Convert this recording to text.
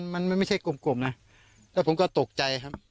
มันไม่ใช่กลมนะแล้วผมก็ตกใจครับ